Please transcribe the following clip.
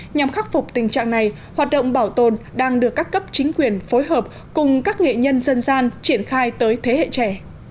nhằm khắc phục tình trạng này hoạt động bảo tồn đang được các cấp chính quyền phối hợp cùng các nghệ nhân dân gian triển khai tới thế hệ trẻ